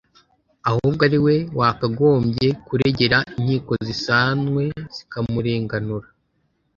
ahubwo ariwe wakagombye kuregera inkiko zisanwe zikamurenganura